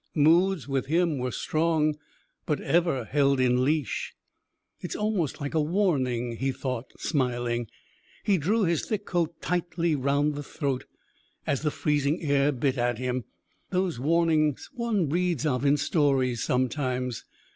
Moods with him were strong, but ever held in leash. "It's almost like a warning," he thought, smiling. He drew his thick coat tightly round the throat as the freezing air bit at him. "Those warnings one reads of in stories sometimes